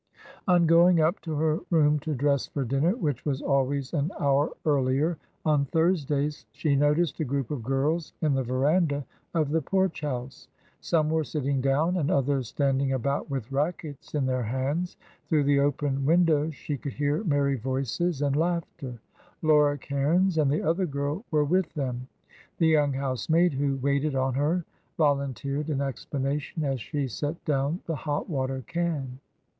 On going up to her room to dress for dinner, which was always an hour earlier on Thursdays, she noticed a group of girls in the verandah of the Porch House. Some were sitting down, and others standing about with racquets in their hands. Through the open window she could hear merry voices and laughter. Laura Cairns and the other girl were with them. The young housemaid who waited on her volunteered an explanation as she set down the hot water can.